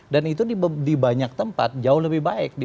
dan itu di banyak tempat jauh lebih baik